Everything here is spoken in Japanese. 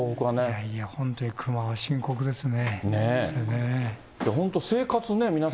いやいや本当にクマは深刻ですね。